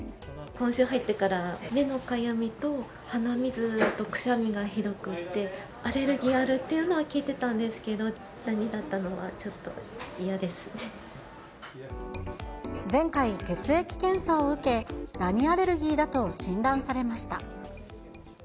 今週入ってから、目のかゆみと、鼻水とくしゃみがひどくって、アレルギーあるっていうのは聞いてたんですけれども、前回、血液検査を受け、ダニアレルギーだと診断されました。